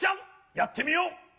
やってみよう！